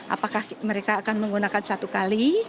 apakah mereka akan menggunakan satu kali